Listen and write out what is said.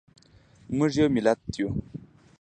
موږ یو ملت یو